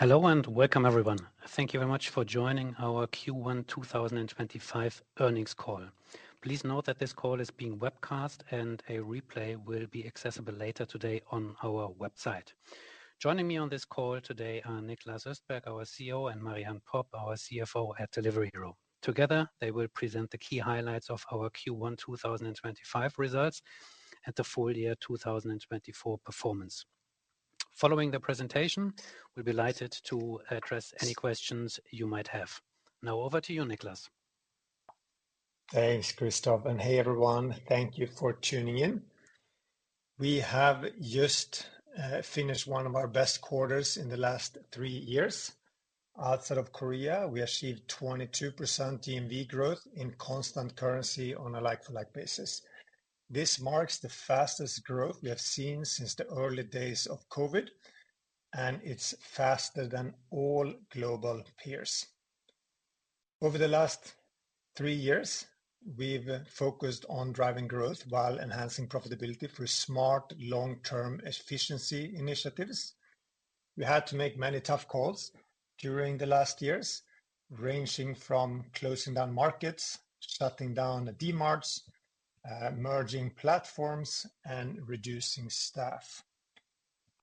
Hello and welcome, everyone. Thank you very much for joining our Q1 2025 Earnings Call. Please note that this call is being webcast, and a replay will be accessible later today on our website. Joining me on this call today are Niklas Östberg, our CEO, and Marie-Anne Popp, our CFO at Delivery Hero. Together, they will present the key highlights of our Q1 2025 results and the full year 2024 performance. Following the presentation, we'll be delighted to address any questions you might have. Now, over to you, Niklas. Thanks, Christoph, and hey, everyone. Thank you for tuning in. We have just finished one of our best quarters in the last three years. Outside of Korea, we achieved 22% GMV growth in constant currency on a like-for-like basis. This marks the fastest growth we have seen since the early days of COVID, and it's faster than all global peers. Over the last three years, we've focused on driving growth while enhancing profitability through smart long-term efficiency initiatives. We had to make many tough calls during the last years, ranging from closing down markets, shutting down DMarts, merging platforms, and reducing staff.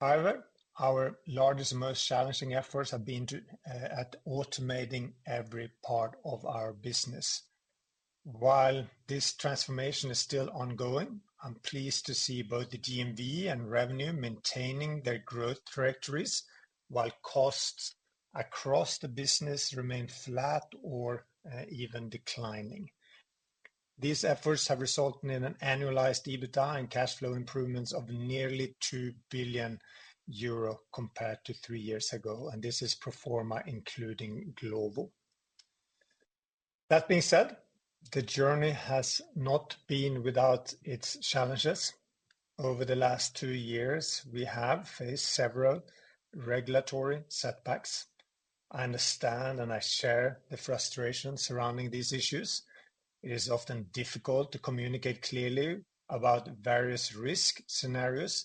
However, our largest and most challenging efforts have been at automating every part of our business. While this transformation is still ongoing, I'm pleased to see both the GMV and revenue maintaining their growth trajectories while costs across the business remain flat or even declining. These efforts have resulted in an annualized EBITDA and cash flow improvements of nearly 2 billion euro compared to three years ago, and this is pro forma, including global. That being said, the journey has not been without its challenges. Over the last two years, we have faced several regulatory setbacks. I understand and I share the frustration surrounding these issues. It is often difficult to communicate clearly about various risk scenarios,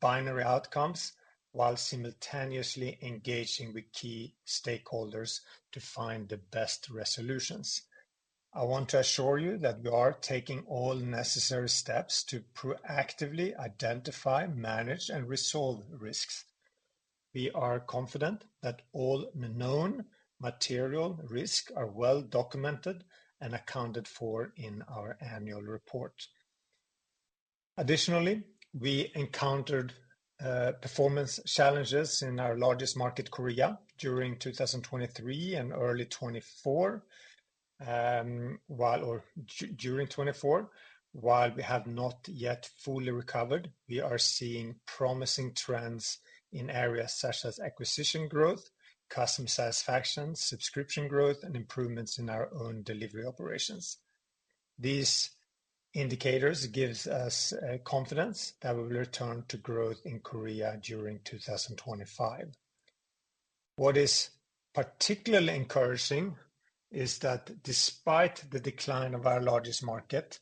binary outcomes, while simultaneously engaging with key stakeholders to find the best resolutions. I want to assure you that we are taking all necessary steps to proactively identify, manage, and resolve risks. We are confident that all known material risks are well documented and accounted for in our annual report. Additionally, we encountered performance challenges in our largest market, South Korea, during 2023 and early 2024. While we have not yet fully recovered, we are seeing promising trends in areas such as acquisition growth, customer satisfaction, subscription growth, and improvements in our own delivery operations. These indicators give us confidence that we will return to growth in Korea during 2025. What is particularly encouraging is that despite the decline of our largest market,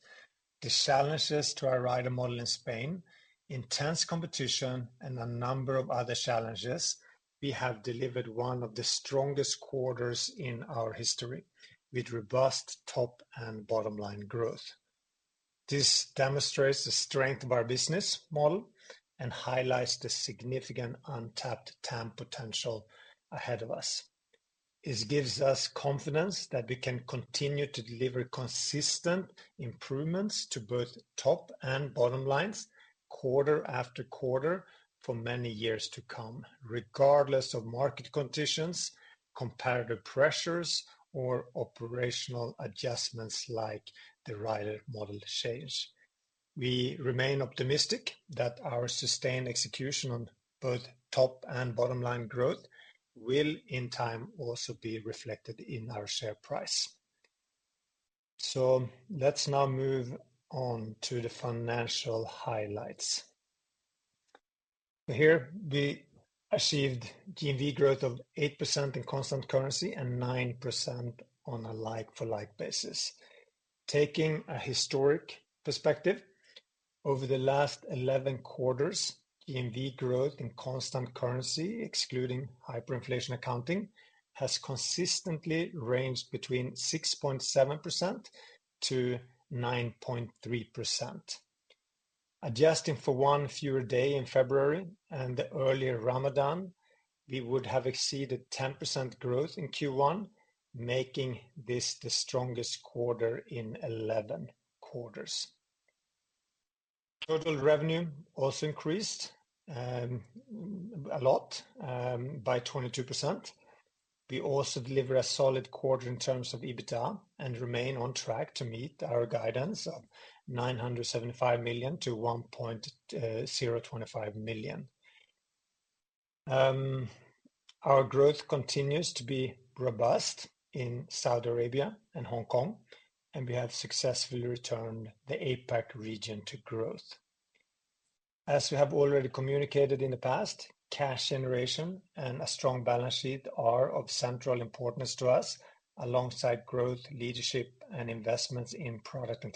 the challenges to our rider model in Spain, intense competition, and a number of other challenges, we have delivered one of the strongest quarters in our history with robust top and bottom line growth. This demonstrates the strength of our business model and highlights the significant untapped TAM potential ahead of us. It gives us confidence that we can continue to deliver consistent improvements to both top and bottom lines quarter after quarter for many years to come, regardless of market conditions, competitive pressures, or operational adjustments like the rider model change. We remain optimistic that our sustained execution on both top and bottom line growth will, in time, also be reflected in our share price. Let's now move on to the financial highlights. Here, we achieved GMV growth of 8% in constant currency and 9% on a like-for-like basis. Taking a historic perspective, over the last 11 quarters, GMV growth in constant currency, excluding hyperinflation accounting, has consistently ranged between 6.7% to 9.3%. Adjusting for one fewer day in February and the earlier Ramadan, we would have exceeded 10% growth in Q1, making this the strongest quarter in 11 quarters. Total revenue also increased a lot by 22%. We also delivered a solid quarter in terms of EBITDA and remain on track to meet our guidance of 975 million-1.025 billion. Our growth continues to be robust in Saudi Arabia and Hong Kong, and we have successfully returned the APAC region to growth. As we have already communicated in the past, cash generation and a strong balance sheet are of central importance to us alongside growth, leadership, and investments in product and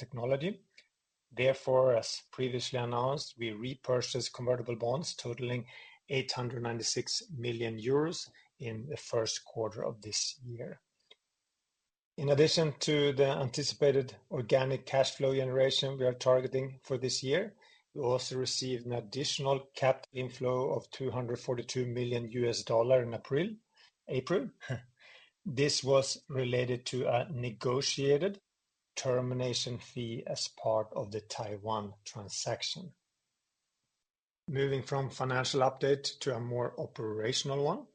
technology. Therefore, as previously announced, we repurchased convertible bonds totaling 896 million euros in the first quarter of this year. In addition to the anticipated organic cash flow generation we are targeting for this year, we also received an additional capped inflow of $242 million in April. This was related to a negotiated termination fee as part of the Taiwan transaction. Moving from financial update to a more operational one.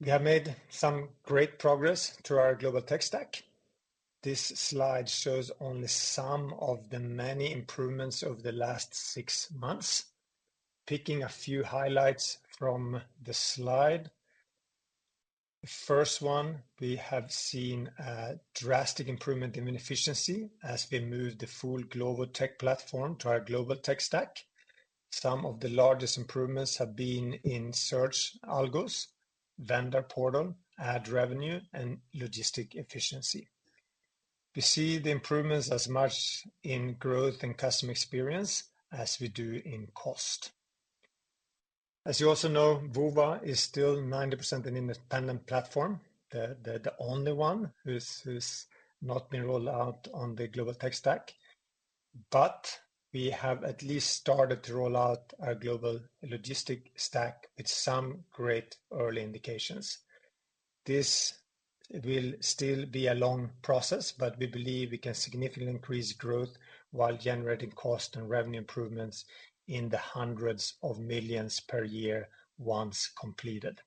We have made some great progress through our global tech stack. This slide shows only some of the many improvements of the last six months. Picking a few highlights from the slide. The first one, we have seen a drastic improvement in efficiency as we moved the full global tech platform to our global tech stack. Some of the largest improvements have been in search, Algos, vendor portal, ad revenue, and logistic efficiency. We see the improvements as much in growth and customer experience as we do in cost. As you also know, Woowa is still 90% an independent platform, the only one who's not been rolled out on the global tech stack. We have at least started to roll out our global logistic stack with some great early indications. This will still be a long process, but we believe we can significantly increase growth while generating cost and revenue improvements in the hundreds of millions per year once completed.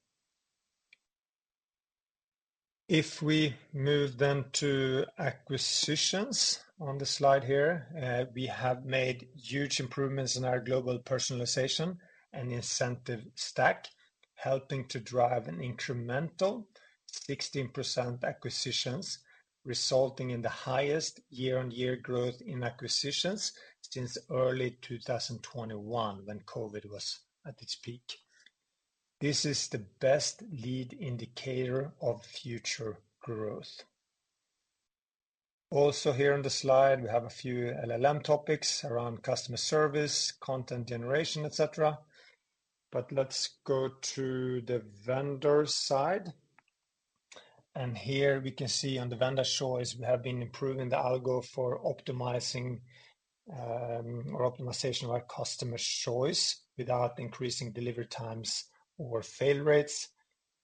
If we move then to acquisitions on the slide here, we have made huge improvements in our global personalization and incentive stack, helping to drive an incremental 16% acquisitions, resulting in the highest year-on-year growth in acquisitions since early 2021 when COVID was at its peak. This is the best lead indicator of future growth. Also here on the slide, we have a few LLM topics around customer service, content generation, etc. Let us go to the vendor side. Here we can see on the vendor choice, we have been improving the algo for optimizing or optimization of our customer choice without increasing delivery times or fail rates.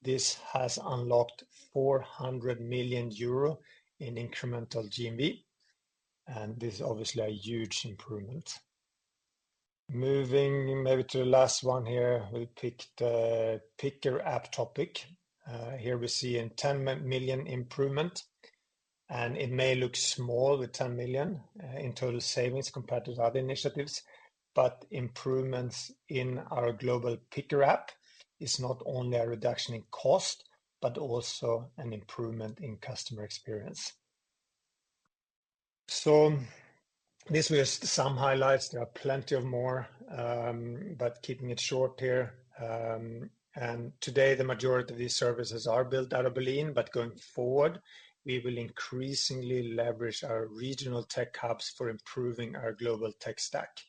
This has unlocked 400 million euro in incremental GMV. This is obviously a huge improvement. Moving maybe to the last one here, we picked the Picker app topic. Here we see a 10 million improvement. It may look small with 10 million in total savings compared to other initiatives, but improvements in our global Picker app is not only a reduction in cost, but also an improvement in customer experience. This was some highlights. There are plenty more, but keeping it short here. Today, the majority of these services are built out of Berlin, but going forward, we will increasingly leverage our regional tech hubs for improving our global tech stack.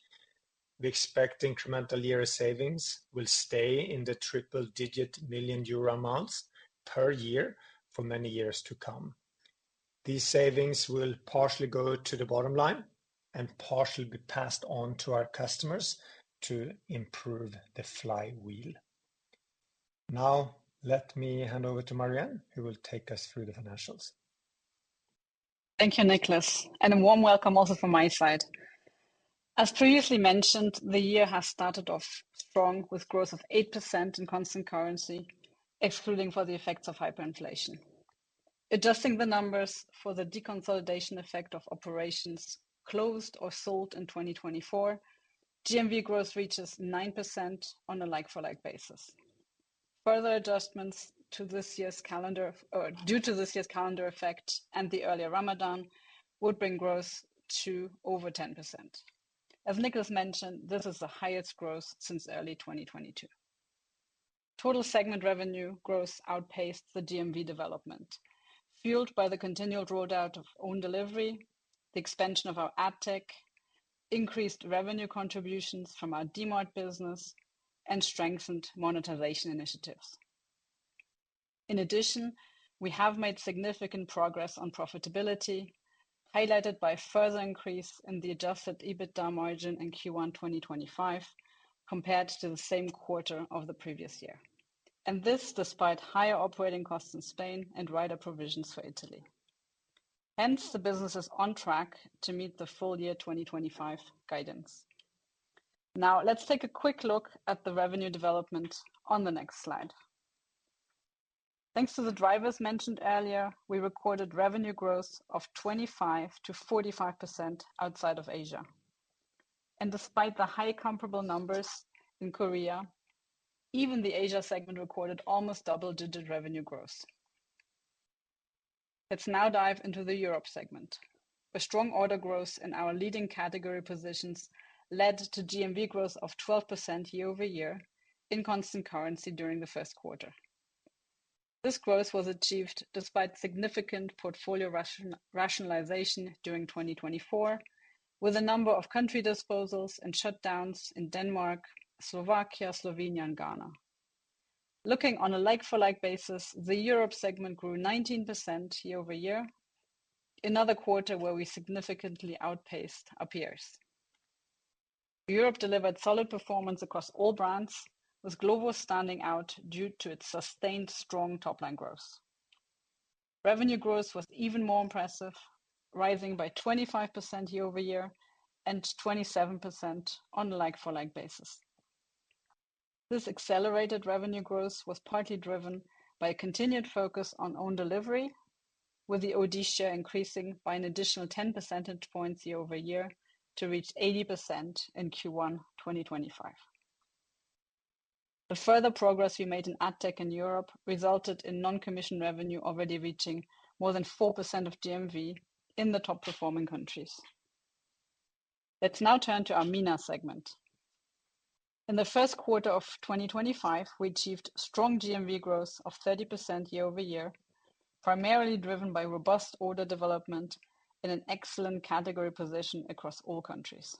We expect incremental year savings will stay in the triple-digit million euro amounts per year for many years to come. These savings will partially go to the bottom line and partially be passed on to our customers to improve the flywheel. Now, let me hand over to Marie-Anne, who will take us through the financials. Thank you, Niklas. A warm welcome also from my side. As previously mentioned, the year has started off strong with growth of 8% in constant currency, excluding for the effects of hyperinflation. Adjusting the numbers for the deconsolidation effect of operations closed or sold in 2024, GMV growth reaches 9% on a like-for-like basis. Further adjustments to this year's calendar or due to this year's calendar effect and the earlier Ramadan would bring growth to over 10%. As Niklas mentioned, this is the highest growth since early 2022. Total segment revenue growth outpaced the GMV development, fueled by the continual rollout of own delivery, the expansion of our ad tech, increased revenue contributions from our DMart business, and strengthened monetization initiatives. In addition, we have made significant progress on profitability, highlighted by further increase in the adjusted EBITDA margin in Q1 2025 compared to the same quarter of the previous year. This is despite higher operating costs in Spain and rider provisions for Italy. Hence, the business is on track to meet the full year 2025 guidance. Now, let's take a quick look at the revenue development on the next slide. Thanks to the drivers mentioned earlier, we recorded revenue growth of 25%-45% outside of Asia. Despite the high comparable numbers in Korea, even the Asia segment recorded almost double-digit revenue growth. Let's now dive into the Europe segment. A strong order growth in our leading category positions led to GMV growth of 12% year over year in constant currency during the first quarter. This growth was achieved despite significant portfolio rationalization during 2024, with a number of country disposals and shutdowns in Denmark, Slovakia, Slovenia, and Ghana. Looking on a like-for-like basis, the Europe segment grew 19% year over year. Another quarter where we significantly outpaced appears. Europe delivered solid performance across all brands, with Glovo standing out due to its sustained strong top-line growth. Revenue growth was even more impressive, rising by 25% year-over-year and 27% on a like-for-like basis. This accelerated revenue growth was partly driven by a continued focus on own delivery, with the own delivery share increasing by an additional 10 percentage points year-over-year to reach 80% in Q1 2025. The further progress we made in ad tech in Europe resulted in non-commission revenue already reaching more than 4% of GMV in the top-performing countries. Let's now turn to our MENA segment. In the first quarter of 2025, we achieved strong GMV growth of 30% year over year, primarily driven by robust order development in an excellent category position across all countries.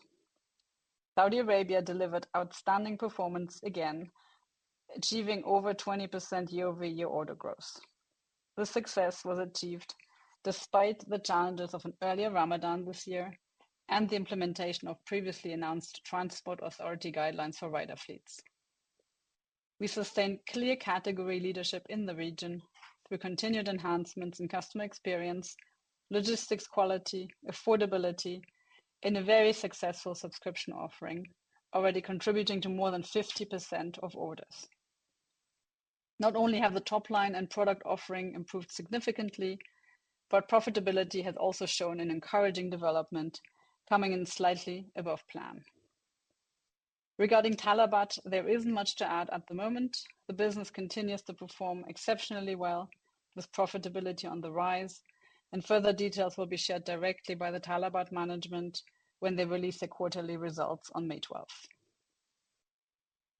Saudi Arabia delivered outstanding performance again, achieving over 20% year-over-year order growth. This success was achieved despite the challenges of an earlier Ramadan this year and the implementation of previously announced transport authority guidelines for rider fleets. We sustained clear category leadership in the region through continued enhancements in customer experience, logistics quality, affordability in a very successful subscription offering, already contributing to more than 50% of orders. Not only have the top line and product offering improved significantly, but profitability has also shown an encouraging development coming in slightly above plan. Regarding Talabat, there is not much to add at the moment. The business continues to perform exceptionally well, with profitability on the rise, and further details will be shared directly by the Talabat management when they release their quarterly results on May 12th.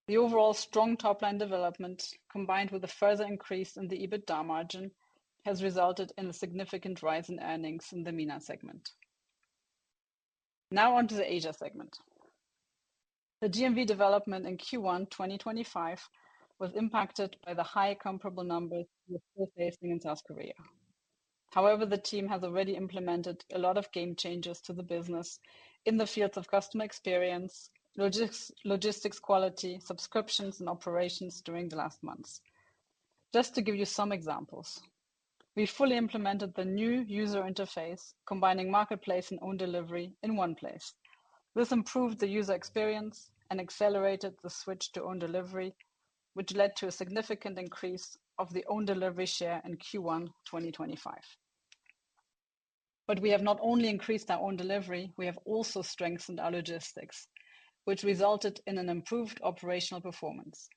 The overall strong top-line development, combined with the further increase in the EBITDA margin, has resulted in a significant rise in earnings in the MENA segment. Now on to the Asia segment. The GMV development in Q1 2025 was impacted by the high comparable numbers we're facing in South Korea. However, the team has already implemented a lot of game changers to the business in the fields of customer experience, logistics quality, subscriptions, and operations during the last months. Just to give you some examples, we fully implemented the new user interface combining marketplace and own delivery in one place. This improved the user experience and accelerated the switch to own delivery, which led to a significant increase of the own delivery share in Q1 2025. We have not only increased our own delivery, we have also strengthened our logistics, which resulted in an improved operational performance.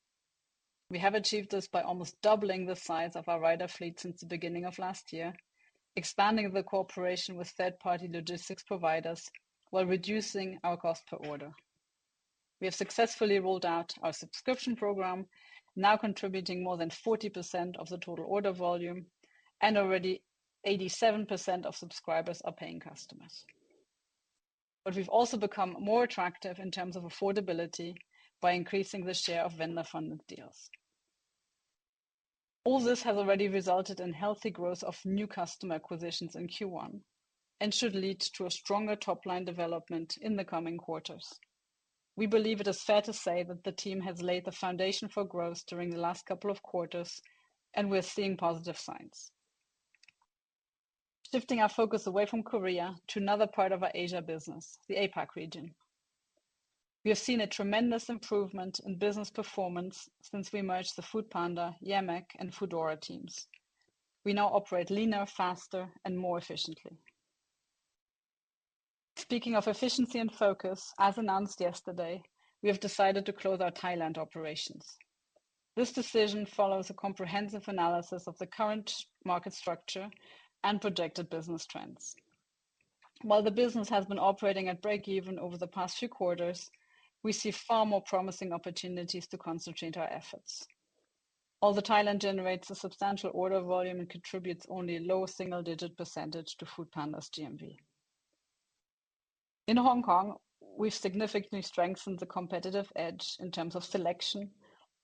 We have achieved this by almost doubling the size of our rider fleet since the beginning of last year, expanding the cooperation with third-party logistics providers while reducing our cost per order. We have successfully rolled out our subscription program, now contributing more than 40% of the total order volume, and already 87% of subscribers are paying customers. We have also become more attractive in terms of affordability by increasing the share of vendor-funded deals. All this has already resulted in healthy growth of new customer acquisitions in Q1 and should lead to a stronger top-line development in the coming quarters. We believe it is fair to say that the team has laid the foundation for growth during the last couple of quarters, and we're seeing positive signs. Shifting our focus away from Korea to another part of our Asia business, the APAC region. We have seen a tremendous improvement in business performance since we merged the Foodpanda, Yemek, and Foodora teams. We now operate leaner, faster, and more efficiently. Speaking of efficiency and focus, as announced yesterday, we have decided to close our Thailand operations. This decision follows a comprehensive analysis of the current market structure and projected business trends. While the business has been operating at break-even over the past few quarters, we see far more promising opportunities to concentrate our efforts. Although Thailand generates a substantial order volume and contributes only a low single-digit % to Foodpanda's GMV. In Hong Kong, we've significantly strengthened the competitive edge in terms of selection,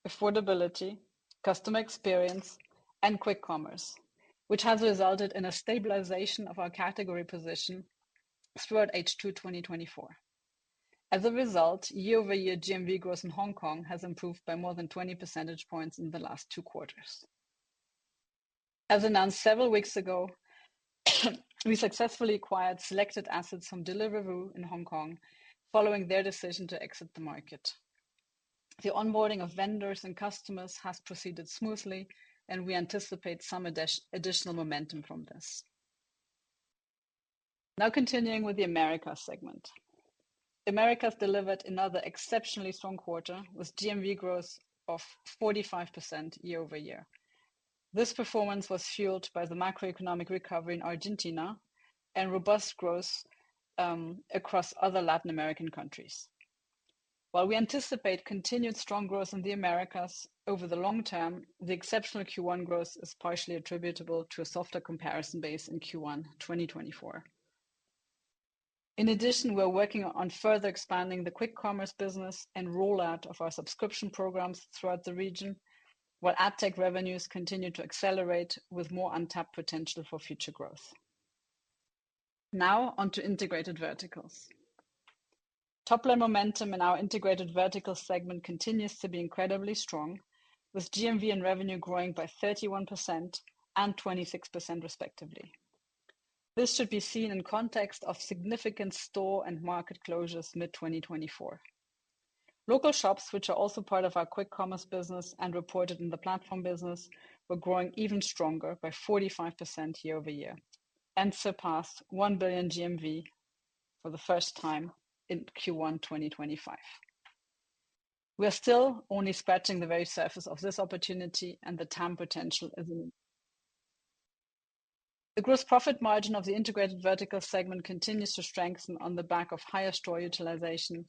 affordability, customer experience, and quick commerce, which has resulted in a stabilization of our category position throughout H2 2024. As a result, year-over-year GMV growth in Hong Kong has improved by more than 20 percentage points in the last two quarters. As announced several weeks ago, we successfully acquired selected assets from Deliver Hero in Hong Kong following their decision to exit the market. The onboarding of vendors and customers has proceeded smoothly, and we anticipate some additional momentum from this. Now continuing with the America segment. America has delivered another exceptionally strong quarter with GMV growth of 45% year-over-year. This performance was fueled by the macroeconomic recovery in Argentina and robust growth across other Latin American countries. While we anticipate continued strong growth in the Americas over the long term, the exceptional Q1 growth is partially attributable to a softer comparison base in Q1 2024. In addition, we're working on further expanding the quick commerce business and rollout of our subscription programs throughout the region while ad tech revenues continue to accelerate with more untapped potential for future growth. Now on to integrated verticals. Top-line momentum in our integrated verticals segment continues to be incredibly strong, with GMV and revenue growing by 31% and 26% respectively. This should be seen in context of significant store and market closures mid-2024. Local shops, which are also part of our quick commerce business and reported in the platform business, were growing even stronger by 45% year-over-year and surpassed 1 billion GMV for the first time in Q1 2025. We are still only scratching the very surface of this opportunity, and the TAM potential is imminent. The gross profit margin of the integrated vertical segment continues to strengthen on the back of higher store utilization,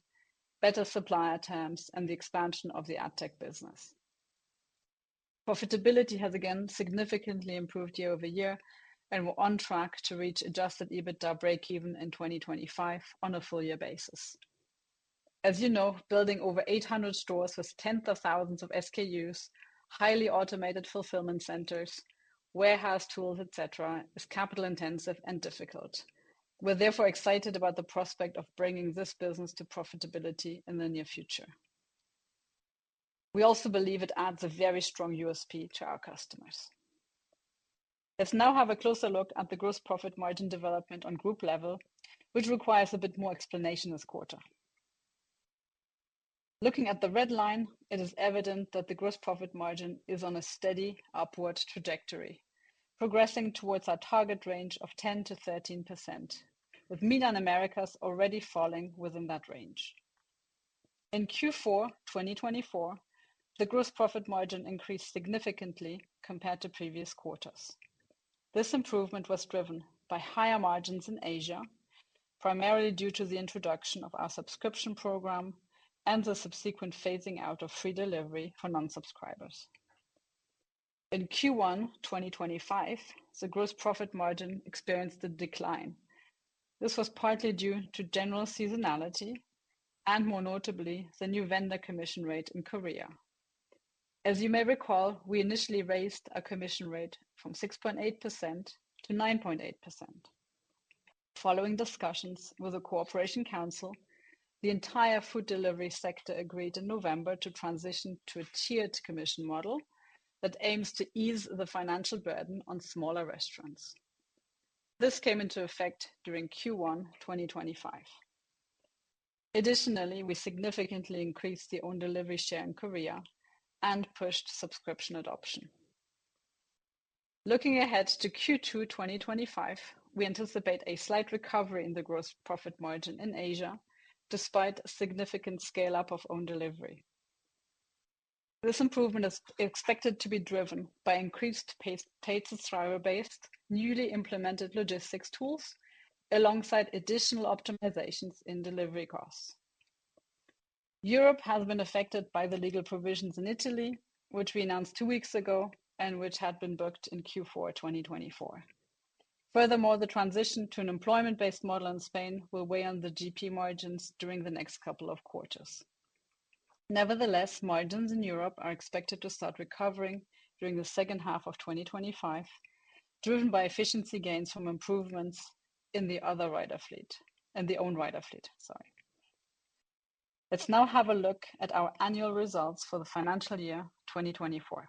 better supplier TAMs, and the expansion of the ad tech business. Profitability has again significantly improved year-over-year, and we're on track to reach adjusted EBITDA break-even in 2025 on a full year basis. As you know, building over 800 stores with tens of thousands of SKUs, highly automated fulfillment centers, warehouse tools, etc., is capital-intensive and difficult. We're therefore excited about the prospect of bringing this business to profitability in the near future. We also believe it adds a very strong USP to our customers. Let's now have a closer look at the gross profit margin development on group level, which requires a bit more explanation this quarter. Looking at the red line, it is evident that the gross profit margin is on a steady upward trajectory, progressing towards our target range of 10%-13%, with MENA and Americas already falling within that range. In Q4 2024, the gross profit margin increased significantly compared to previous quarters. This improvement was driven by higher margins in Asia, primarily due to the introduction of our subscription program and the subsequent phasing out of free delivery for non-subscribers. In Q1 2025, the gross profit margin experienced a decline. This was partly due to general seasonality and, more notably, the new vendor commission rate in Korea. As you may recall, we initially raised our commission rate from 6.8% to 9.8%. Following discussions with the Cooperation Council, the entire food delivery sector agreed in November to transition to a tiered commission model that aims to ease the financial burden on smaller restaurants. This came into effect during Q1 2025. Additionally, we significantly increased the own delivery share in Korea and pushed subscription adoption. Looking ahead to Q2 2025, we anticipate a slight recovery in the gross profit margin in Asia despite a significant scale-up of own delivery. This improvement is expected to be driven by increased paid subscriber base, newly implemented logistics tools alongside additional optimizations in delivery costs. Europe has been affected by the legal provisions in Italy, which we announced two weeks ago and which had been booked in Q4 2024. Furthermore, the transition to an employment-based model in Spain will weigh on the GP margins during the next couple of quarters. Nevertheless, margins in Europe are expected to start recovering during the second half of 2025, driven by efficiency gains from improvements in the other rider fleet and the own rider fleet. Sorry. Let's now have a look at our annual results for the financial year 2024.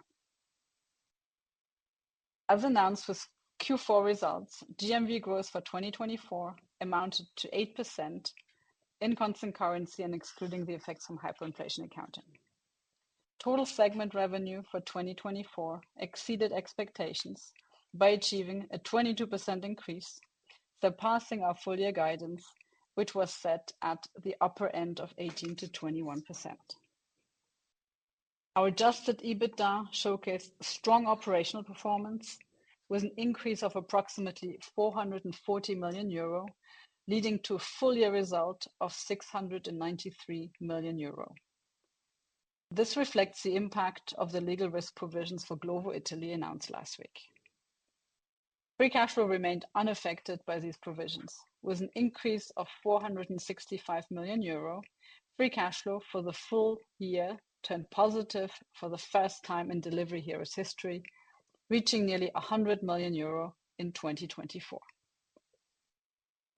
As announced with Q4 results, GMV growth for 2024 amounted to 8% in constant currency and excluding the effects from hyperinflation accounting. Total segment revenue for 2024 exceeded expectations by achieving a 22% increase, surpassing our full-year guidance, which was set at the upper end of 18%-21%. Our adjusted EBITDA showcased strong operational performance with an increase of approximately 440 million euro, leading to a full-year result of 693 million euro. This reflects the impact of the legal risk provisions for Glovo Italy announced last week. Free cash flow remained unaffected by these provisions, with an increase of 465 million euro free cash flow for the full year turned positive for the first time in Delivery Hero's history, reaching nearly 100 million euro in 2024.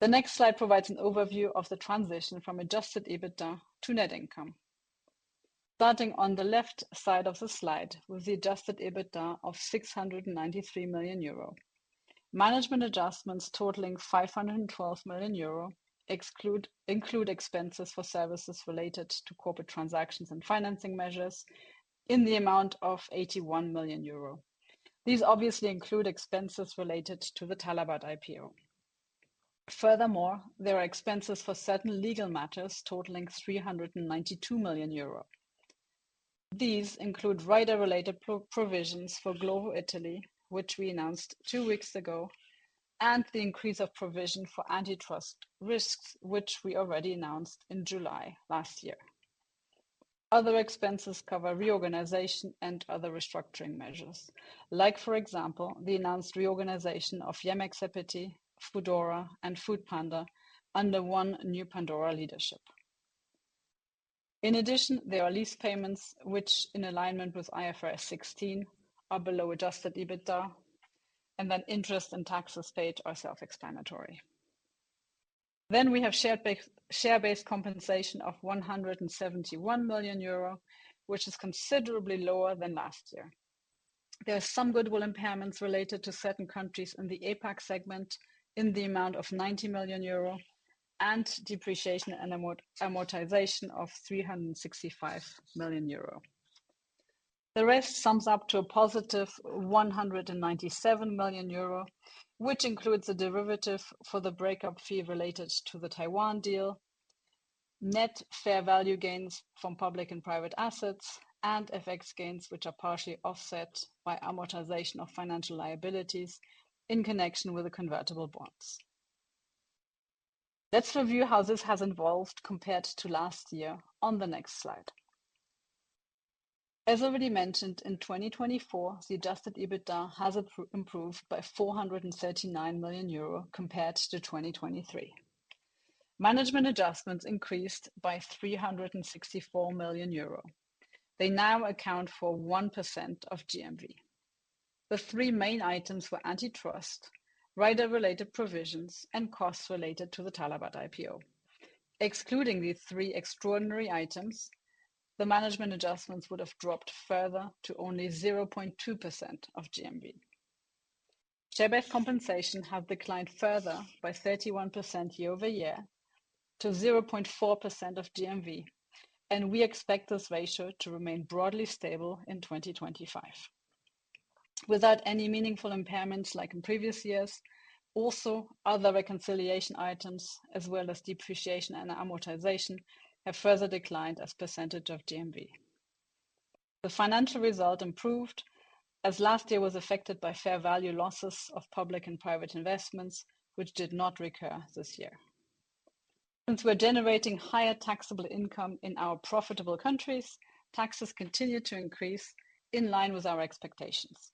The next slide provides an overview of the transition from adjusted EBITDA to net income. Starting on the left side of the slide with the adjusted EBITDA of 693 million euro, management adjustments totaling 512 million euro include expenses for services related to corporate transactions and financing measures in the amount of 81 million euro. These obviously include expenses related to the Talabat IPO. Furthermore, there are expenses for certain legal matters totaling 392 million euro. These include rider-related provisions for Glovo Italy, which we announced two weeks ago, and the increase of provision for antitrust risks, which we already announced in July last year. Other expenses cover reorganization and other restructuring measures, like, for example, the announced reorganization of Yemek Sepeti, Foodora, and Foodpanda under one new Pandora leadership. In addition, there are lease payments, which in alignment with IFRS 16 are below adjusted EBITDA, and then interest and taxes paid are self-explanatory. We have share-based compensation of 171 million euro, which is considerably lower than last year. There are some goodwill impairments related to certain countries in the APAC segment in the amount of 90 million euro and depreciation and amortization of 365 million euro. The rest sums up to a positive 197 million euro, which includes the derivative for the breakup fee related to the Taiwan deal, net fair value gains from public and private assets, and FX gains, which are partially offset by amortization of financial liabilities in connection with the convertible bonds. Let's review how this has evolved compared to last year on the next slide. As already mentioned, in 2024, the adjusted EBITDA has improved by 439 million euro compared to 2023. Management adjustments increased by 364 million euro. They now account for 1% of GMV. The three main items were antitrust, rider-related provisions, and costs related to the Talabat IPO. Excluding the three extraordinary items, the management adjustments would have dropped further to only 0.2% of GMV. Share-based compensation has declined further by 31% year-over-year to 0.4% of GMV, and we expect this ratio to remain broadly stable in 2025. Without any meaningful impairments like in previous years, also other reconciliation items, as well as depreciation and amortization, have further declined as percentage of GMV. The financial result improved as last year was affected by fair value losses of public and private investments, which did not recur this year. Since we're generating higher taxable income in our profitable countries, taxes continue to increase in line with our expectations.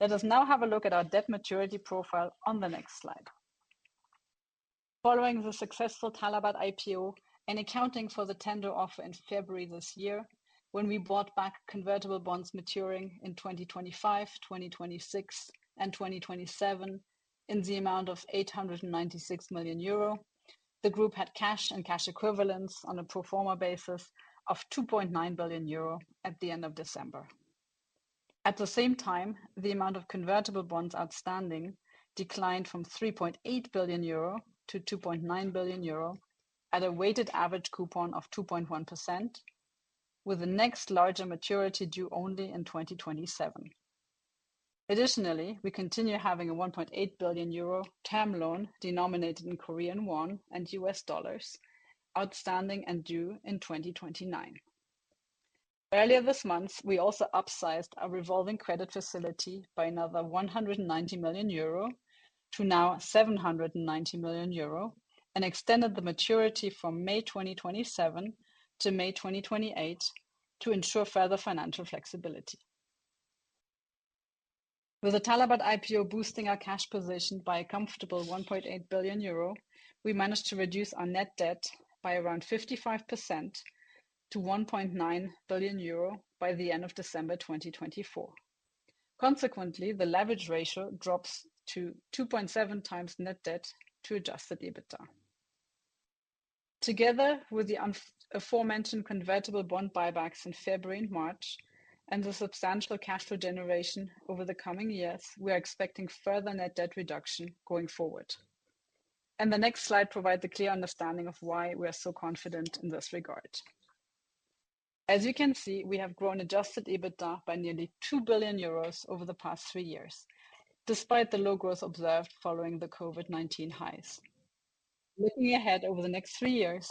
Let us now have a look at our debt maturity profile on the next slide. Following the successful Talabat IPO and accounting for the tender offer in February this year, when we bought back convertible bonds maturing in 2025, 2026, and 2027 in the amount of 896 million euro, the group had cash and cash equivalents on a pro forma basis of 2.9 billion euro at the end of December. At the same time, the amount of convertible bonds outstanding declined from 3.8 billion euro to 2.9 billion euro at a weighted average coupon of 2.1%, with the next larger maturity due only in 2027. Additionally, we continue having a 1.8 billion euro TAM loan denominated in Korean won and US dollars outstanding and due in 2029. Earlier this month, we also upsized our revolving credit facility by another 190 million euro to now 790 million euro and extended the maturity from May 2027 to May 2028 to ensure further financial flexibility. With the Talabat IPO boosting our cash position by a comfortable 1.8 billion euro, we managed to reduce our net debt by around 55% to 1.9 billion euro by the end of December 2024. Consequently, the leverage ratio drops to 2.7 times net debt to adjusted EBITDA. Together with the aforementioned convertible bond buybacks in February and March, and the substantial cash flow generation over the coming years, we are expecting further net debt reduction going forward. The next slide provides a clear understanding of why we are so confident in this regard. As you can see, we have grown adjusted EBITDA by nearly 2 billion euros over the past three years, despite the low growth observed following the COVID-19 highs. Looking ahead over the next three years,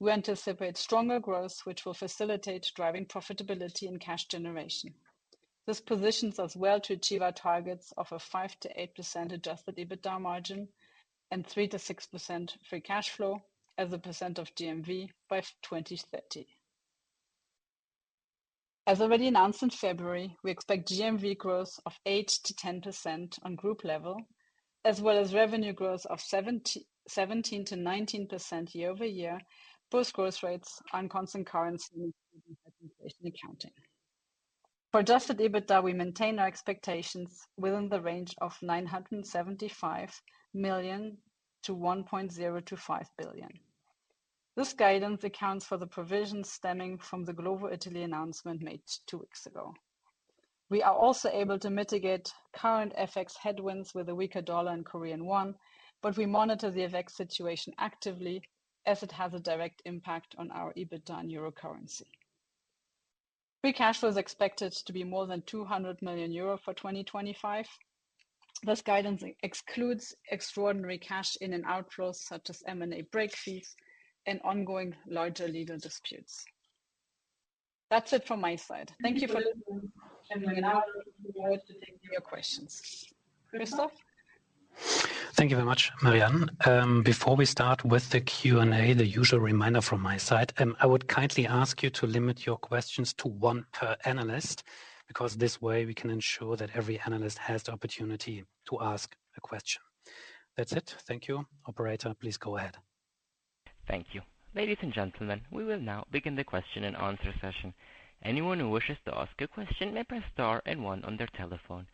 we anticipate stronger growth, which will facilitate driving profitability and cash generation. This positions us well to achieve our targets of a 5%-8% adjusted EBITDA margin and 3%-6% free cash flow as a percent of GMV by 2030. As already announced in February, we expect GMV growth of 8%-10% on group level, as well as revenue growth of 17%-19% year-over-year, both growth rates on constant currency and accounting. For adjusted EBITDA, we maintain our expectations within the range of 975 million-1.025 billion. This guidance accounts for the provisions stemming from the Glovo Italy announcement made two weeks ago. We are also able to mitigate current FX headwinds with a weaker dollar and Korean won, but we monitor the FX situation actively as it has a direct impact on our EBITDA in euro currency. Free cash flow is expected to be more than 200 million euro for 2025. This guidance excludes extraordinary cash in and outflows such as M&A break fees and ongoing larger legal disputes. That's it from my side. Thank you for listening, and we're now looking forward to taking your questions. Christoph? Thank you very much, Marie-Anne. Before we start with the Q&A, the usual reminder from my side, I would kindly ask you to limit your questions to one per analyst, because this way we can ensure that every analyst has the opportunity to ask a question. That's it. Thank you. Operator, please go ahead. Thank you. Ladies and gentlemen, we will now begin the question and answer session. Anyone who wishes to ask a question may press star and one on their telephone.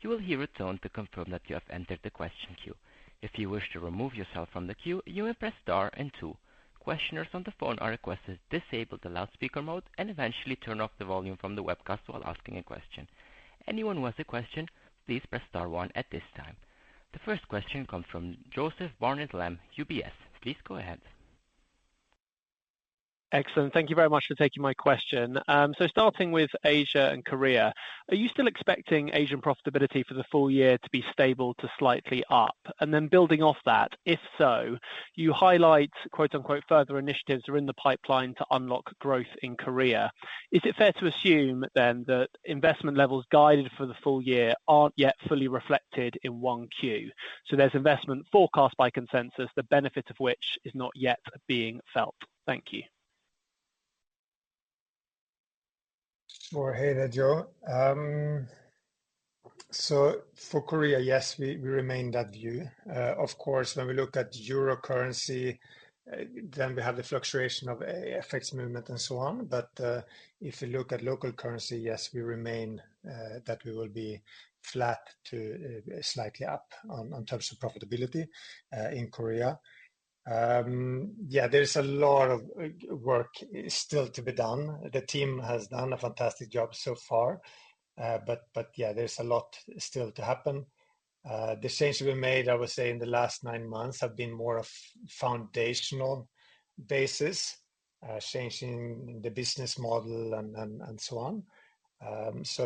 You will hear a tone to confirm that you have entered the question queue. If you wish to remove yourself from the queue, you may press star and two. Questioners on the phone are requested to disable the loudspeaker mode and eventually turn off the volume from the webcast while asking a question. Anyone who has a question, please press star one at this time. The first question comes from Joseph Barnet-Lamb, UBS. Please go ahead. Excellent. Thank you very much for taking my question. Starting with Asia and Korea, are you still expecting Asian profitability for the full year to be stable to slightly up? Building off that, if so, you highlight, quote unquote, further initiatives that are in the pipeline to unlock growth in Korea. Is it fair to assume then that investment levels guided for the full year are not yet fully reflected in Q1? There is investment forecast by consensus, the benefit of which is not yet being felt. Thank you. More heated, Joe. For Korea, yes, we remain that view. Of course, when we look at euro currency, then we have the fluctuation of FX movement and so on. If you look at local currency, yes, we remain that we will be flat to slightly up on terms of profitability in Korea. Yeah, there's a lot of work still to be done. The team has done a fantastic job so far. Yeah, there's a lot still to happen. The changes we made, I would say, in the last nine months have been more of a foundational basis, changing the business model and so on.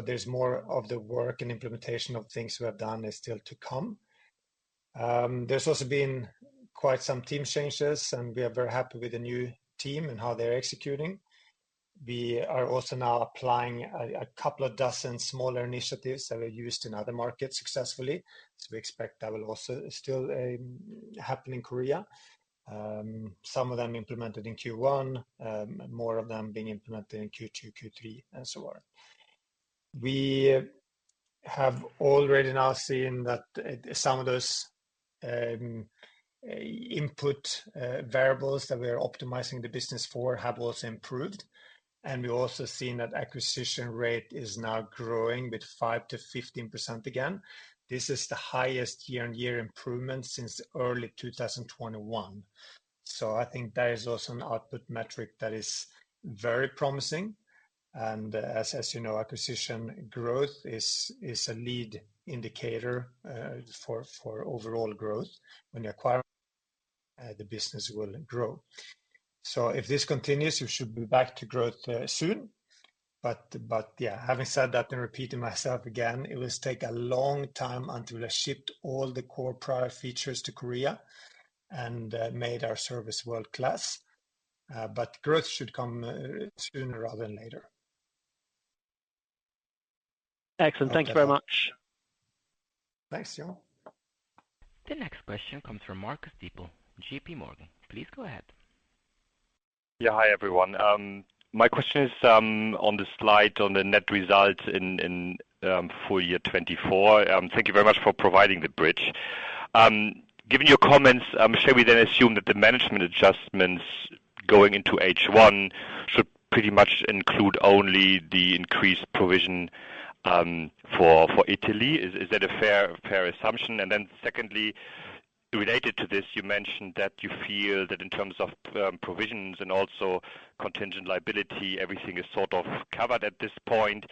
There's more of the work and implementation of things we have done still to come. There's also been quite some team changes, and we are very happy with the new team and how they're executing. We are also now applying a couple of dozen smaller initiatives that are used in other markets successfully. We expect that will also still happen in Korea. Some of them implemented in Q1, more of them being implemented in Q2, Q3, and so on. We have already now seen that some of those input variables that we are optimizing the business for have also improved. We have also seen that acquisition rate is now growing with 5%-15% again. This is the highest year-on-year improvement since early 2021. I think that is also an output metric that is very promising. As you know, acquisition growth is a lead indicator for overall growth. When you acquire, the business will grow. If this continues, we should be back to growth soon. Yeah, having said that and repeating myself again, it will take a long time until we shipped all the core product features to Korea and made our service world-class. Growth should come sooner rather than later. Excellent. Thank you very much. Thanks, Joe. The next question comes from Marcus Diebel, JPMorgan. Please go ahead. Yeah, hi everyone. My question is on the slide on the net result in full year 2024. Thank you very much for providing the bridge. Given your comments, shall we then assume that the management adjustments going into H1 should pretty much include only the increased provision for Italy? Is that a fair assumption? Secondly, related to this, you mentioned that you feel that in terms of provisions and also contingent liability, everything is sort of covered at this point.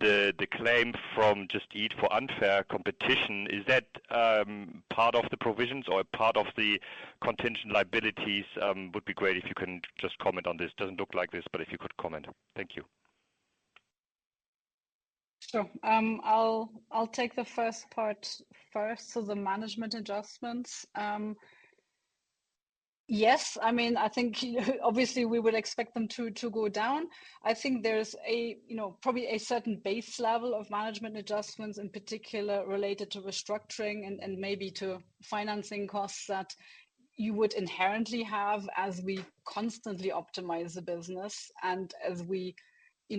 The claim from Just Eat for unfair competition, is that part of the provisions or part of the contingent liabilities? Would be great if you can just comment on this. It does not look like this, but if you could comment. Thank you. Sure. I will take the first part first. The management adjustments. Yes, I mean, I think obviously we would expect them to go down. I think there is probably a certain base level of management adjustments, in particular related to restructuring and maybe to financing costs that you would inherently have as we constantly optimize the business and as we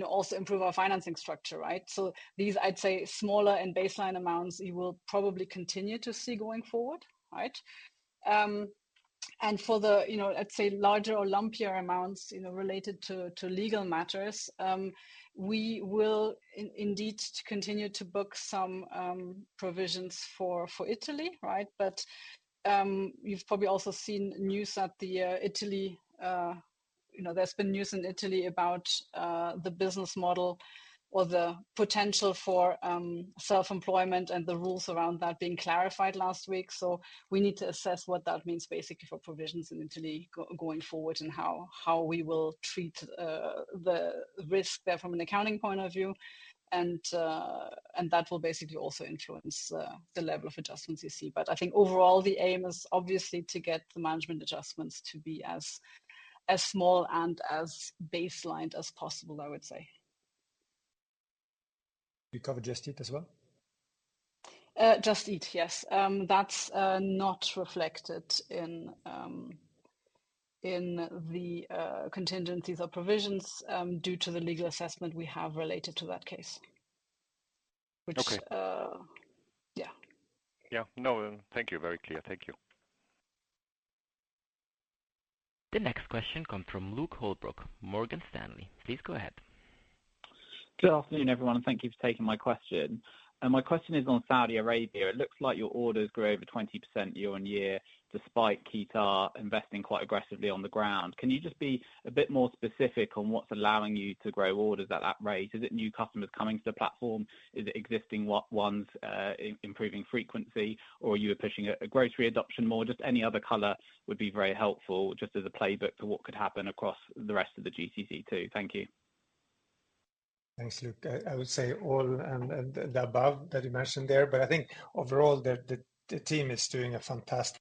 also improve our financing structure, right? These, I would say, smaller and baseline amounts, you will probably continue to see going forward, right? For the, I would say, larger or lumpier amounts related to legal matters, we will indeed continue to book some provisions for Italy, right? You've probably also seen news that in Italy, there's been news in Italy about the business model or the potential for self-employment and the rules around that being clarified last week. We need to assess what that means basically for provisions in Italy going forward and how we will treat the risk there from an accounting point of view. That will basically also influence the level of adjustments you see. I think overall, the aim is obviously to get the management adjustments to be as small and as baseline as possible, I would say. You cover Just Eat as well? Just Eat, yes. That's not reflected in the contingencies or provisions due to the legal assessment we have related to that case. Yeah. Yeah. No, thank you. Very clear. Thank you. The next question comes from Luke Holbrook, Morgan Stanley. Please go ahead. Good afternoon, everyone. Thank you for taking my question. My question is on Saudi Arabia. It looks like your orders grew over 20% year on year despite Qatar investing quite aggressively on the ground. Can you just be a bit more specific on what's allowing you to grow orders at that rate? Is it new customers coming to the platform? Is it existing ones improving frequency? Or are you pushing a grocery adoption more? Just any other color would be very helpful just as a playbook to what could happen across the rest of the GCC too. Thank you. Thanks, Luke. I would say all the above that you mentioned there. I think overall, the team is doing a fantastic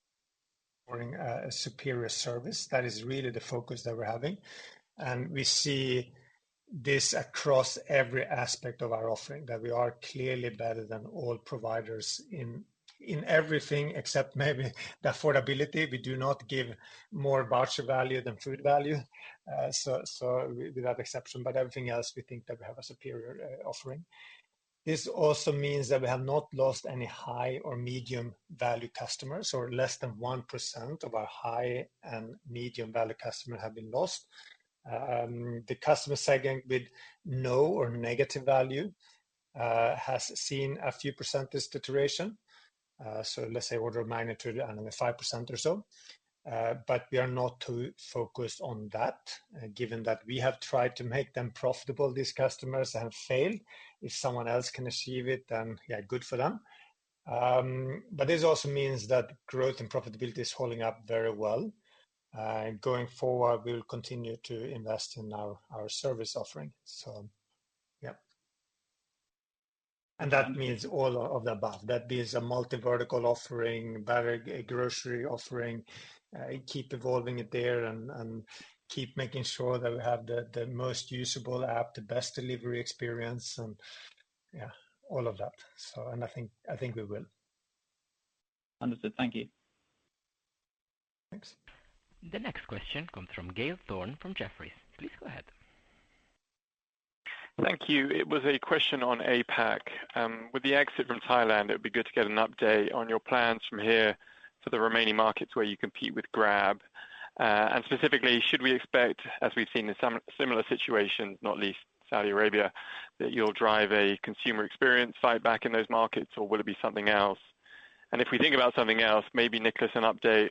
superior service. That is really the focus that we're having. We see this across every aspect of our offering, that we are clearly better than all providers in everything, except maybe the affordability. We do not give more voucher value than food value, without exception. Everything else, we think that we have a superior offering. This also means that we have not lost any high or medium value customers, or less than 1% of our high and medium value customers have been lost. The customer segment with no or negative value has seen a few percentage deterioration, order magnitude 5% or so. We are not too focused on that, given that we have tried to make them profitable, these customers have failed. If someone else can achieve it, then yeah, good for them. This also means that growth and profitability is holding up very well. Going forward, we will continue to invest in our service offering. Yeah, that means all of the above. That means a multi-vertical offering, better grocery offering, keep evolving it there, and keep making sure that we have the most usable app, the best delivery experience, and yeah, all of that. I think we will. Understood. Thank you. Thanks. The next question comes from Giles Thorne from Jefferies. Please go ahead. Thank you. It was a question on APAC. With the exit from Thailand, it would be good to get an update on your plans from here for the remaining markets where you compete with Grab. Specifically, should we expect, as we've seen in similar situations, not least Saudi Arabia, that you'll drive a consumer experience fight back in those markets, or will it be something else? If we think about something else, maybe, Niklas, an update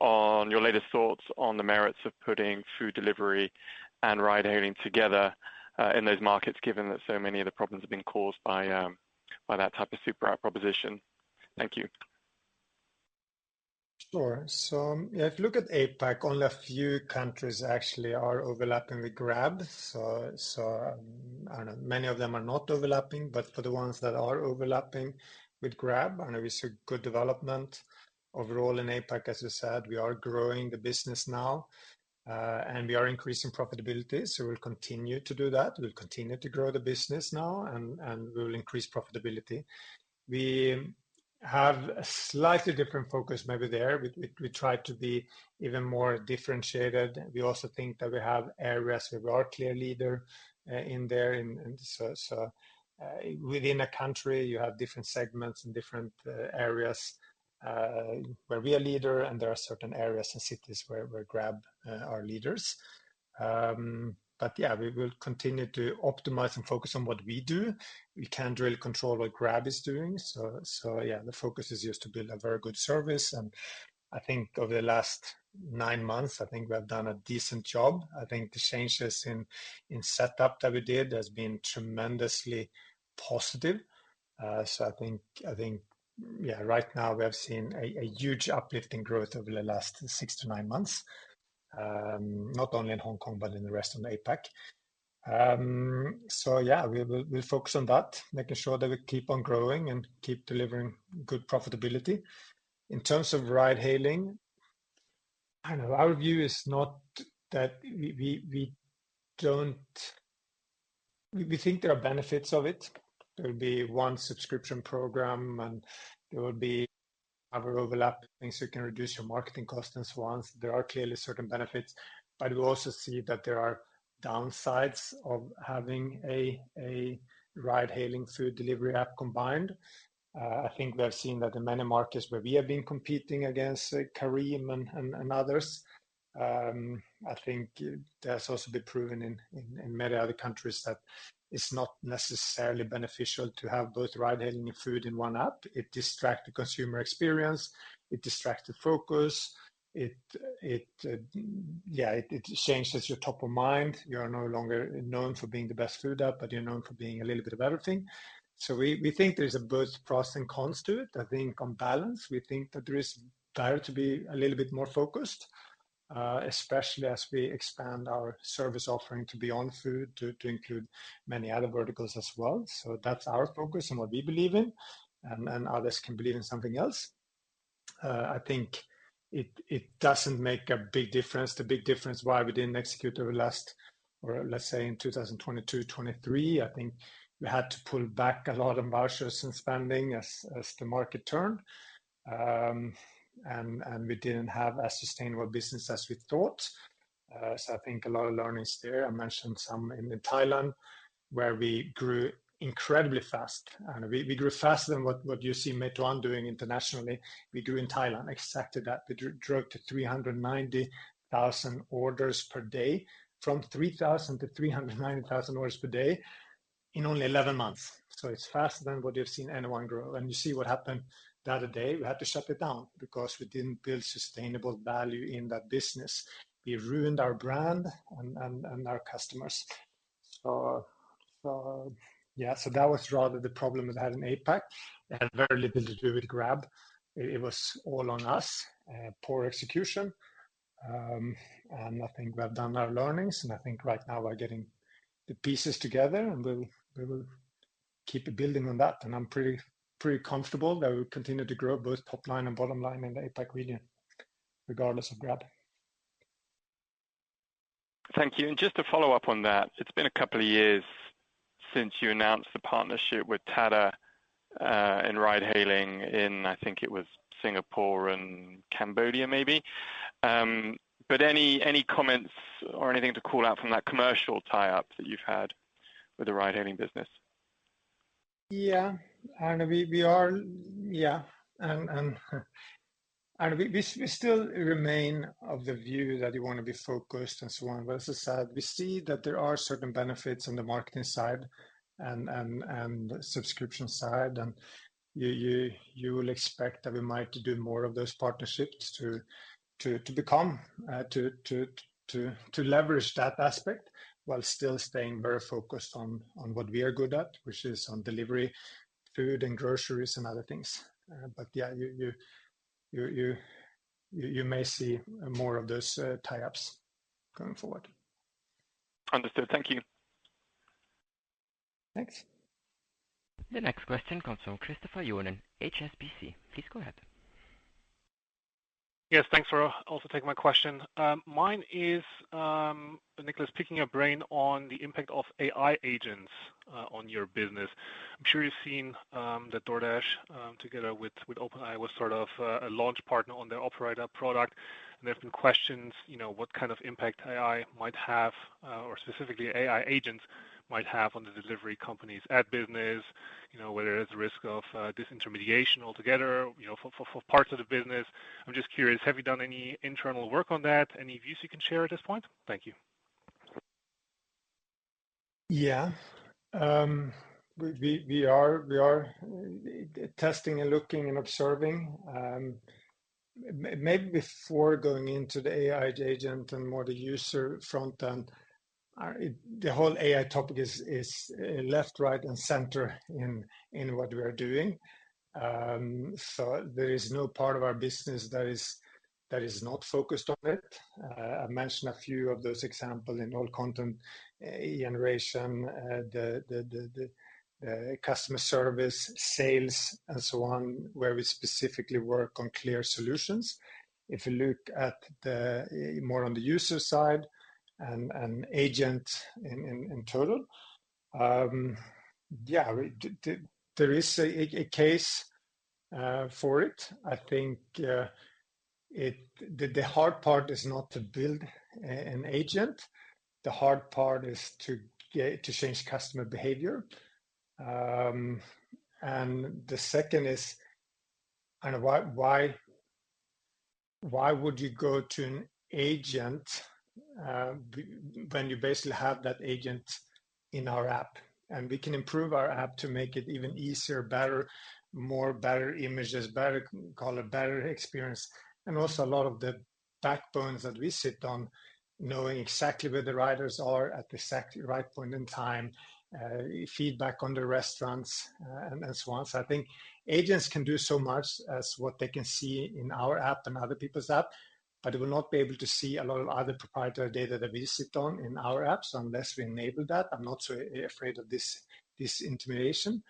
on your latest thoughts on the merits of putting food delivery and ride-hailing together in those markets, given that so many of the problems have been caused by that type of super app proposition. Thank you. Sure. If you look at APAC, only a few countries actually are overlapping with Grab. I don't know, many of them are not overlapping, but for the ones that are overlapping with Grab, I know we saw good development overall in APAC, as we said. We are growing the business now, and we are increasing profitability. We will continue to do that. We will continue to grow the business now, and we will increase profitability. We have a slightly different focus maybe there. We try to be even more differentiated. We also think that we have areas where we are clear leader in there. So within a country, you have different segments and different areas where we are leader, and there are certain areas and cities where Grab are leaders. Yeah, we will continue to optimize and focus on what we do. We can't really control what Grab is doing. Yeah, the focus is just to build a very good service. I think over the last nine months, I think we have done a decent job. I think the changes in setup that we did have been tremendously positive. Yeah, right now we have seen a huge uplift in growth over the last six to nine months, not only in Hong Kong, but in the rest of the APAC. Yeah, we'll focus on that, making sure that we keep on growing and keep delivering good profitability. In terms of ride-hailing, I don't know. Our view is not that we don't think there are benefits of it. There will be one subscription program, and there will be other overlap things that can reduce your marketing costs and so on. There are clearly certain benefits, but we also see that there are downsides of having a ride-hailing food delivery app combined. I think we have seen that in many markets where we have been competing against Careem and others. I think that's also been proven in many other countries that it's not necessarily beneficial to have both ride-hailing and food in one app. It distracts the consumer experience. It distracts the focus. Yeah, it changes your top of mind. You're no longer known for being the best food app, but you're known for being a little bit of everything. We think there's both pros and cons to it. I think on balance, we think that it is better to be a little bit more focused, especially as we expand our service offering beyond food to include many other verticals as well. That's our focus and what we believe in. Others can believe in something else. I think it doesn't make a big difference. The big difference why we didn't execute over the last, or let's say in 2022, 2023, I think we had to pull back a lot of vouchers and spending as the market turned. We didn't have a sustainable business as we thought. I think a lot of learnings there. I mentioned some in Thailand where we grew incredibly fast. We grew faster than what you see Metro One doing internationally. We grew in Thailand. Exactly that. We drove to 390,000 orders per day, from 3,000 to 390,000 orders per day in only 11 months. It is faster than what you've seen anyone grow. You see what happened the other day. We had to shut it down because we did not build sustainable value in that business. We ruined our brand and our customers. That was rather the problem we had in APAC. It had very little to do with Grab. It was all on us, poor execution. I think we have done our learnings. I think right now we're getting the pieces together, and we will keep building on that. I am pretty comfortable that we will continue to grow both top line and bottom line in the APAC region, regardless of Grab. Thank you. Just to follow up on that, it's been a couple of years since you announced the partnership with Tata in ride-hailing in, I think it was Singapore and Cambodia maybe. Any comments or anything to call out from that commercial tie-up that you've had with the ride-hailing business? Yeah. I know we are, yeah. We still remain of the view that you want to be focused and so on. As I said, we see that there are certain benefits on the marketing side and subscription side. You will expect that we might do more of those partnerships to leverage that aspect while still staying very focused on what we are good at, which is on delivery, food, and groceries and other things. You may see more of those tie-ups going forward. Understood. Thank you. Thanks. The next question comes from Christopher Johnen, HSBC. Please go ahead. Yes, thanks for also taking my question. Mine is, Niklas, picking your brain on the impact of AI agents on your business. I'm sure you've seen that DoorDash, together with OpenAI, was sort of a launch partner on their operator product. There have been questions what kind of impact AI might have, or specifically AI agents might have on the delivery companies at business, whether there's a risk of disintermediation altogether for parts of the business. I'm just curious, have you done any internal work on that? Any views you can share at this point? Thank you. Yeah. We are testing and looking and observing. Maybe before going into the AI agent and more the user front end, the whole AI topic is left, right, and center in what we are doing. There is no part of our business that is not focused on it. I mentioned a few of those examples in all content generation, the customer service, sales, and so on, where we specifically work on clear solutions. If you look more on the user side and agent in total, yeah, there is a case for it. I think the hard part is not to build an agent. The hard part is to change customer behavior. The second is, why would you go to an agent when you basically have that agent in our app? We can improve our app to make it even easier, better, more better images, better, call it better experience. Also, a lot of the backbones that we sit on, knowing exactly where the riders are at the exact right point in time, feedback on the restaurants, and so on. I think agents can do so much as what they can see in our app and other people's app, but they will not be able to see a lot of other proprietary data that we sit on in our apps unless we enable that. I'm not so afraid of this disintermediation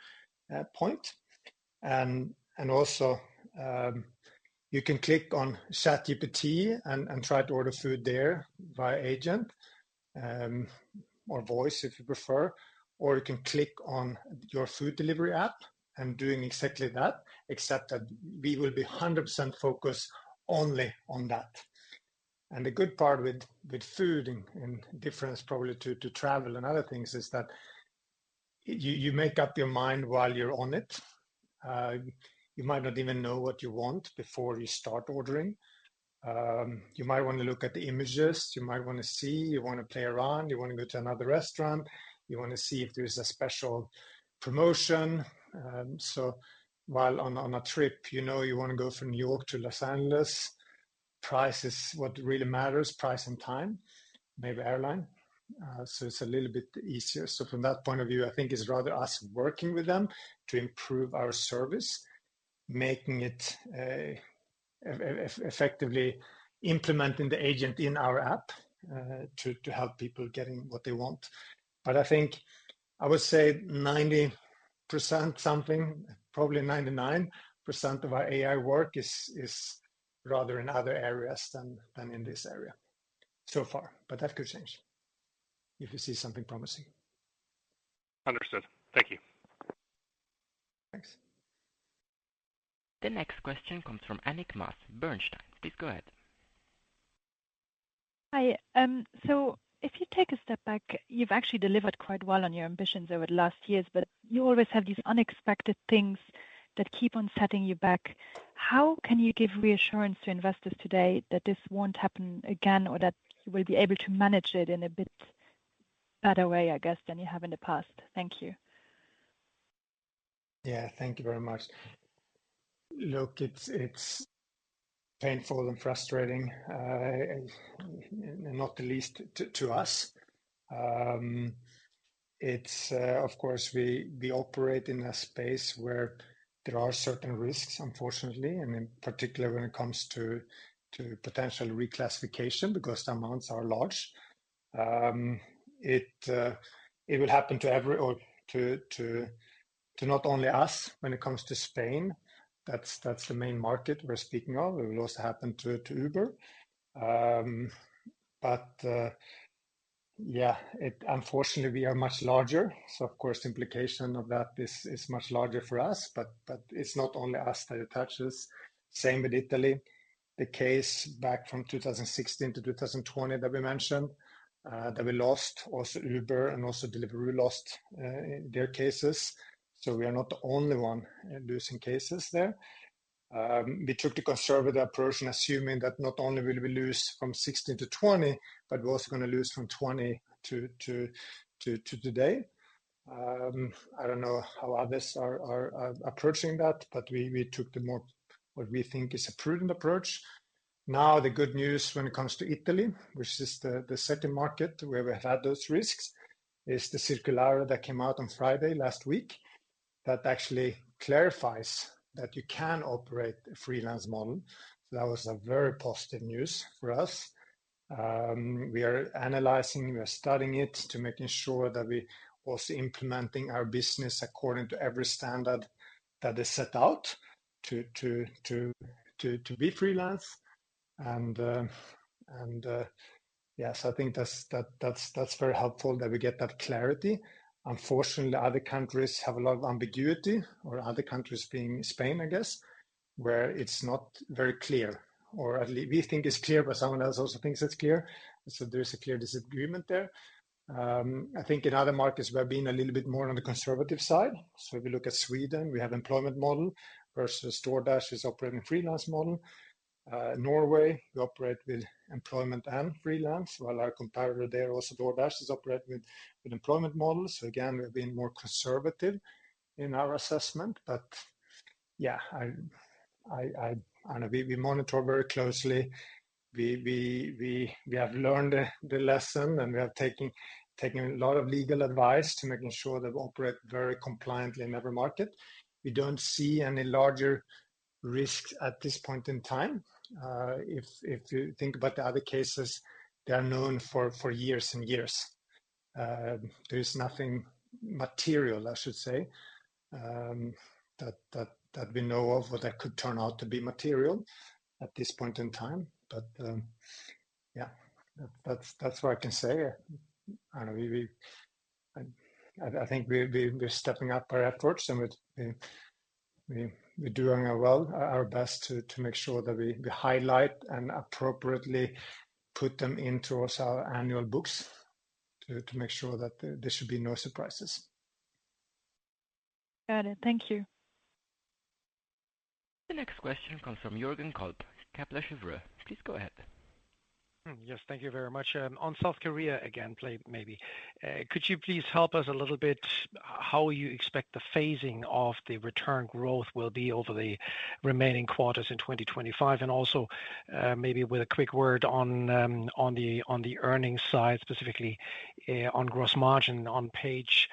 point. Also, you can click on ChatGPT and try to order food there via agent or voice if you prefer. Or you can click on your food delivery app and doing exactly that, except that we will be 100% focused only on that. The good part with food in difference probably to travel and other things is that you make up your mind while you're on it. You might not even know what you want before you start ordering. You might want to look at the images. You might want to see. You want to play around. You want to go to another restaurant. You want to see if there's a special promotion. While on a trip, you know you want to go from New York to Los Angeles, price is what really matters, price and time, maybe airline. It is a little bit easier. From that point of view, I think it is rather us working with them to improve our service, making it effectively implementing the agent in our app to help people getting what they want. I would say 90% something, probably 99% of our AI work is rather in other areas than in this area so far. That could change if you see something promising. Understood. Thank you. Thanks. The next question comes from Annick Maas Bernstein. Please go ahead. Hi. If you take a step back, you've actually delivered quite well on your ambitions over the last years, but you always have these unexpected things that keep on setting you back. How can you give reassurance to investors today that this won't happen again or that you will be able to manage it in a bit better way, I guess, than you have in the past? Thank you. Yeah, thank you very much. Look, it's painful and frustrating, not the least to us. It's, of course, we operate in a space where there are certain risks, unfortunately, and in particular when it comes to potential reclassification because the amounts are large. It will happen to every or to not only us when it comes to Spain. That's the main market we're speaking of. It will also happen to Uber. Yeah, unfortunately, we are much larger. Of course, the implication of that is much larger for us, but it's not only us that it touches. Same with Italy. The case back from 2016 to 2020 that we mentioned that we lost, also Uber and also Deliveroo lost their cases. We are not the only one losing cases there. We took the conservative approach, assuming that not only will we lose from 2016 to 2020, but we're also going to lose from 2020 to today. I don't know how others are approaching that, but we took the more what we think is a prudent approach. Now, the good news when it comes to Italy, which is the second market where we had those risks, is the circular that came out on Friday last week that actually clarifies that you can operate a freelance model. That was very positive news for us. We are analyzing, we are studying it to make sure that we are also implementing our business according to every standard that is set out to be freelance. Yeah, I think that's very helpful that we get that clarity. Unfortunately, other countries have a lot of ambiguity, or other countries being Spain, I guess, where it's not very clear, or at least we think it's clear, but someone else also thinks it's clear. There is a clear disagreement there. I think in other markets, we are being a little bit more on the conservative side. If you look at Sweden, we have an employment model versus DoorDash is operating a freelance model. Norway, we operate with employment and freelance, while our competitor there, also DoorDash, is operating with employment models. Again, we've been more conservative in our assessment. Yeah, I know we monitor very closely. We have learned the lesson, and we are taking a lot of legal advice to make sure that we operate very compliantly in every market. We do not see any larger risks at this point in time. If you think about the other cases, they are known for years and years. There is nothing material, I should say, that we know of what could turn out to be material at this point in time. Yeah, that is what I can say. I think we are stepping up our efforts, and we are doing our best to make sure that we highlight and appropriately put them into our annual books to make sure that there should be no surprises. Got it. Thank you. The next question comes from Jurgen Kolb, Kepler Cheuvreux. Please go ahead. Yes, thank you very much. On South Korea again, maybe. Could you please help us a little bit? How do you expect the phasing of the return growth will be over the remaining quarters in 2025? Also maybe with a quick word on the earnings side, specifically on gross margin on page,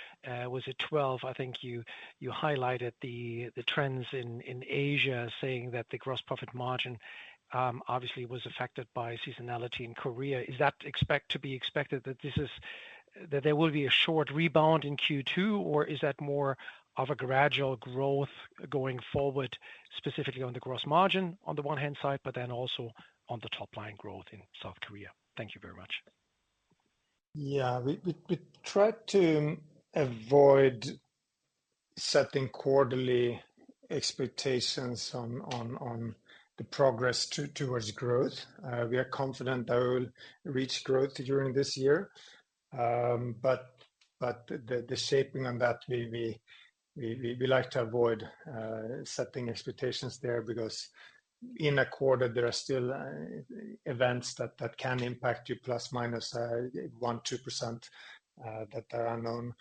was it 12? I think you highlighted the trends in Asia, saying that the gross profit margin obviously was affected by seasonality in Korea. Is that to be expected that there will be a short rebound in Q2, or is that more of a gradual growth going forward, specifically on the gross margin on the one-hand side, but then also on the top-line growth in South Korea? Thank you very much. Yeah, we try to avoid setting quarterly expectations on the progress towards growth. We are confident that we will reach growth during this year. The shaping on that, we like to avoid setting expectations there because in a quarter, there are still events that can impact you plus minus 1-2% that are unknown.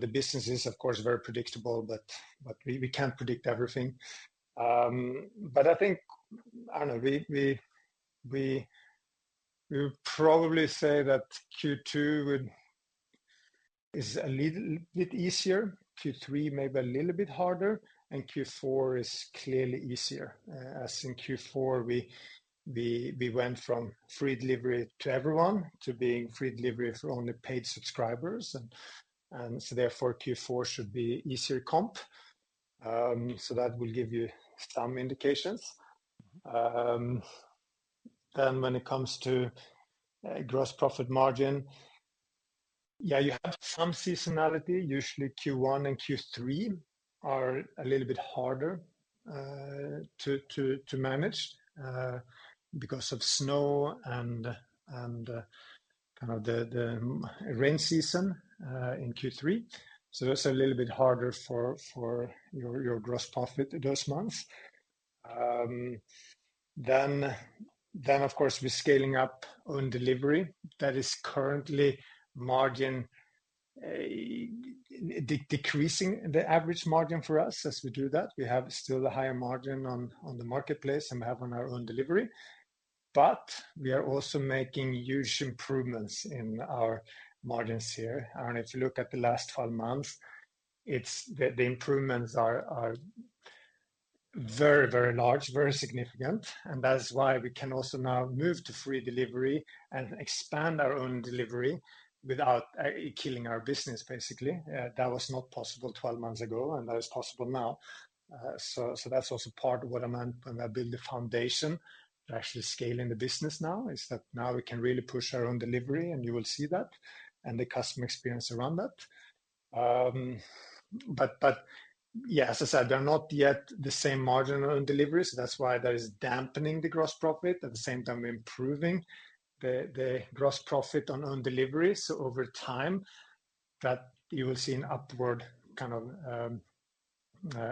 The business is, of course, very predictable, but we can't predict everything. I think, I don't know, we would probably say that Q2 is a little bit easier, Q3 maybe a little bit harder, and Q4 is clearly easier. In Q4, we went from free delivery to everyone to being free delivery for only paid subscribers. Therefore, Q4 should be an easier comp. That will give you some indications. When it comes to gross profit margin, you have some seasonality. Usually, Q1 and Q3 are a little bit harder to manage because of snow and kind of the rain season in Q3. That's a little bit harder for your gross profit those months. Of course, we're scaling up on delivery. That is currently margin decreasing, the average margin for us as we do that. We have still a higher margin on the marketplace than we have on our own delivery. We are also making huge improvements in our margins here. If you look at the last 12 months, the improvements are very, very large, very significant. That's why we can also now move to free delivery and expand our own delivery without killing our business, basically. That was not possible 12 months ago, and that is possible now. That is also part of what I meant when I built the foundation to actually scale in the business now, is that now we can really push our own delivery, and you will see that and the customer experience around that. Yeah, as I said, there is not yet the same margin on delivery, so that is why that is dampening the gross profit. At the same time, we are improving the gross profit on delivery, so over time, you will see an upward kind of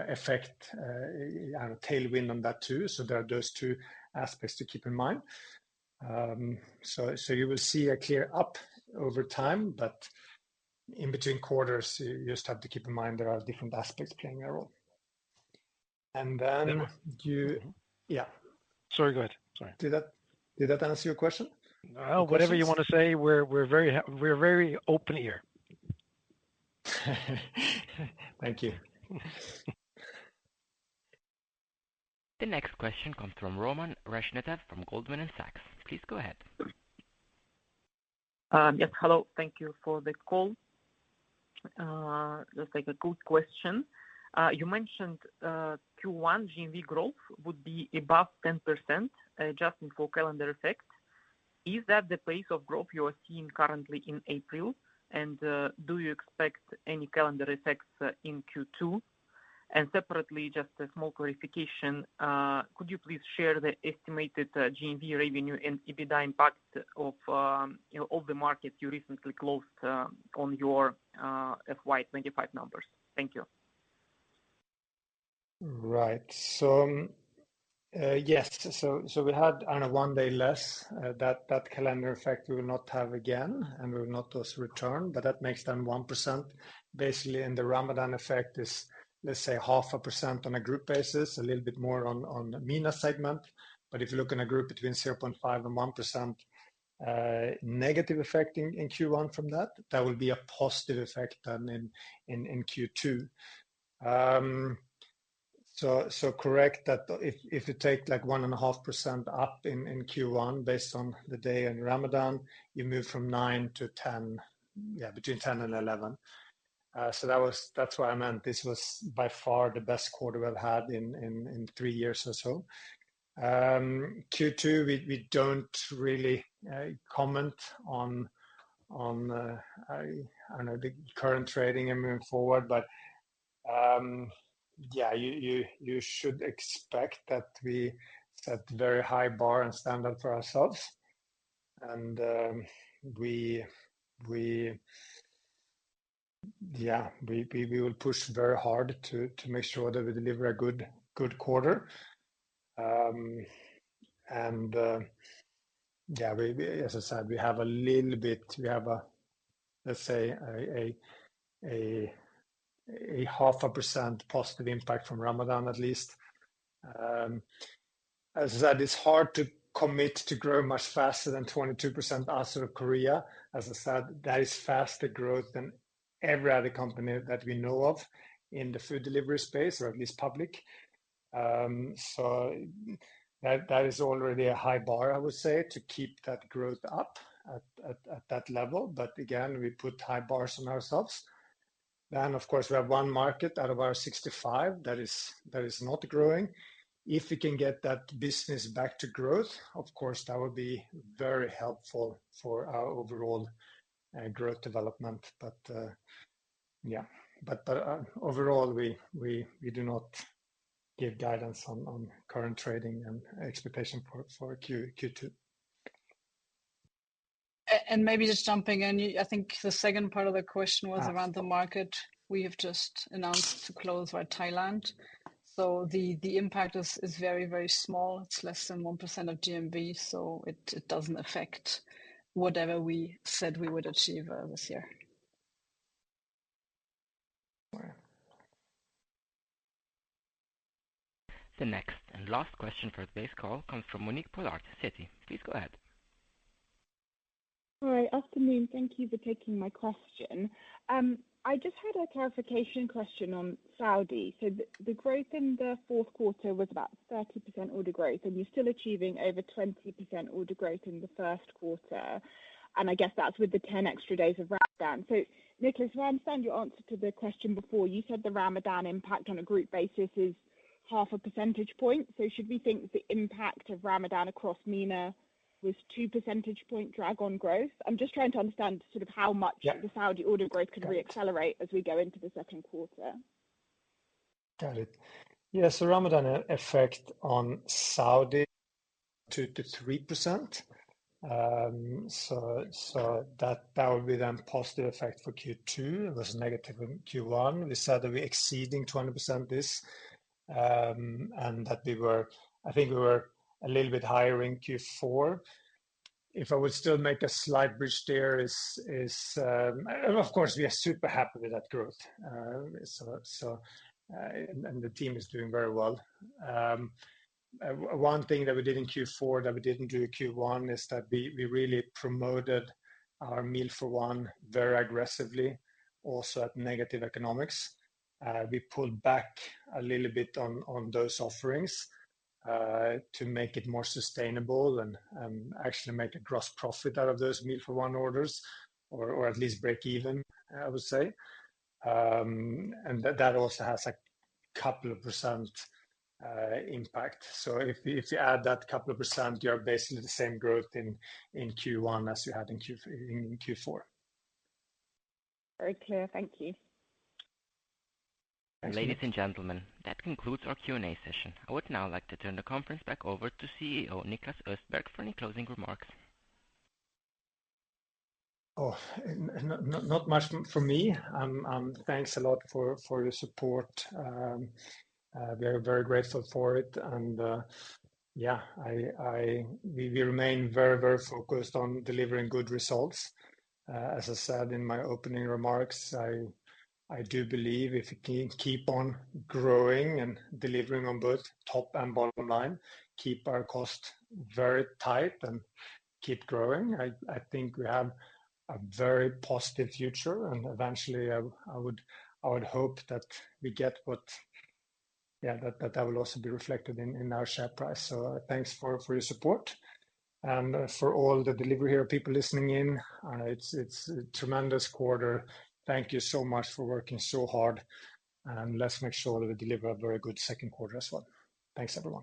effect, tailwind on that too. There are those two aspects to keep in mind. You will see a clear up over time, but in between quarters, you just have to keep in mind there are different aspects playing a role. Yeah. Sorry, go ahead. Sorry. Did that answer your question? Whatever you want to say, we are very open ear. Thank you. The next question comes from Roman Reshetnev from Goldman Sachs. Please go ahead. Yes, hello. Thank you for the call. Just like a good question. You mentioned Q1 GMV growth would be above 10% just before calendar effect. Is that the pace of growth you are seeing currently in April? Do you expect any calendar effects in Q2? Separately, just a small clarification, could you please share the estimated GMV, revenue, and EBITDA impact of all the markets you recently closed on your FY2025 numbers? Thank you. Right. Yes, we had one day less. That calendar effect we will not have again, and we will not also return. That makes then 1%. Basically, the Ramadan effect is, let's say, half a percent on a group basis, a little bit more on the MENA segment. If you look in a group between 0.5% and 1% negative effect in Q1 from that, that will be a positive effect then in Q2. Correct that if you take like 1.5% up in Q1 based on the day in Ramadan, you move from 9 to 10, yeah, between 10 and 11. That is why I meant this was by far the best quarter we've had in three years or so. Q2, we don't really comment on, I don't know, the current rating and moving forward. You should expect that we set a very high bar and standard for ourselves. We will push very hard to make sure that we deliver a good quarter. As I said, we have a little bit, we have, let's say, a 0.5% positive impact from Ramadan, at least. As I said, it's hard to commit to grow much faster than 22% as of Korea. As I said, that is faster growth than every other company that we know of in the food delivery space, or at least public. That is already a high bar, I would say, to keep that growth up at that level. Again, we put high bars on ourselves. Of course, we have one market out of our 65 that is not growing. If we can get that business back to growth, of course, that will be very helpful for our overall growth development. Overall, we do not give guidance on current trading and expectation for Q2. Maybe just jumping in, I think the second part of the question was around the market. We have just announced to close with Thailand. The impact is very, very small. It's less than 1% of GMV, so it doesn't affect whatever we said we would achieve this year. The next and last question for today's call comes from Monique Pollard, Citi. Please go ahead. Hi, afternoon. Thank you for taking my question. I just had a clarification question on Saudi. The growth in the fourth quarter was about 30% order growth, and you're still achieving over 20% order growth in the first quarter. I guess that's with the 10 extra days of Ramadan. Niklas, if I understand your answer to the question before, you said the Ramadan impact on a group basis is half a percentage point. Should we think the impact of Ramadan across MENA was 2 percentage point drag on growth? I'm just trying to understand sort of how much the Saudi order growth can reaccelerate as we go into the second quarter. Got it. Yeah, Ramadan effect on Saudi 2-3%. That would be then positive effect for Q2. It was negative in Q1. We said that we're exceeding 20% this, and that we were, I think we were a little bit higher in Q4. If I would still make a slight bridge there, of course, we are super happy with that growth. The team is doing very well. One thing that we did in Q4 that we did not do in Q1 is that we really promoted our meal for one very aggressively, also at negative economics. We pulled back a little bit on those offerings to make it more sustainable and actually make a gross profit out of those meal for one orders, or at least break even, I would say. That also has a couple of percent impact. If you add that couple of percent, you are basically the same growth in Q1 as you had in Q4. Very clear. Thank you. Ladies and gentlemen, that concludes our Q&A session. I would now like to turn the conference back over to CEO Niklas Östberg for any closing remarks. Oh, not much from me. Thanks a lot for your support. We are very grateful for it. Yeah, we remain very, very focused on delivering good results. As I said in my opening remarks, I do believe if we can keep on growing and delivering on both top and bottom line, keep our cost very tight and keep growing, I think we have a very positive future. Eventually, I would hope that we get what, yeah, that that will also be reflected in our share price. Thanks for your support and for all the Delivery Hero people listening in. It's a tremendous quarter. Thank you so much for working so hard. Let's make sure that we deliver a very good second quarter as well. Thanks everyone.